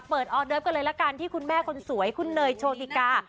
ออเดิฟกันเลยละกันที่คุณแม่คนสวยคุณเนยโชติกา